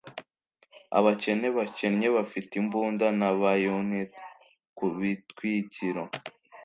Abakene bakennye bafite imbunda na bayonets kubitwikiro